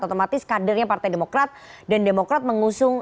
otomatis kadernya partai demokrat dan demokrat mengusung